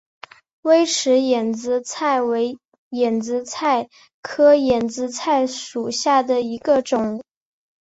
微齿眼子菜为眼子菜科眼子菜属下的一个种。